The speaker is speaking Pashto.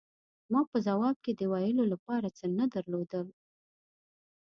ما په ځواب کې د ویلو له پاره څه نه درلودل.